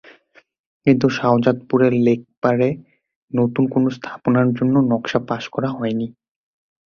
কিন্তু শাহজাদপুরে লেকপাড়ে নতুন কোনো স্থাপনার জন্য নকশা পাস করা হয়নি।